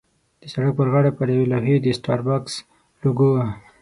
د سړک پر غاړه پر یوې لوحې د سټاربکس لوګو وه.